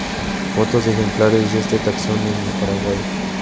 Fotos de ejemplares de este taxón en el Paraguay